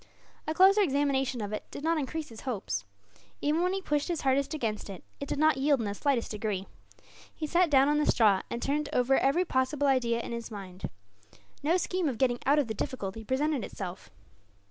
A closer examination of it did not increase his hopes. Even when he pushed his hardest against it, it did not yield in the slightest degree. He sat down on the straw, and turned over every possible idea in his mind. No scheme of getting out of the difficulty presented itself.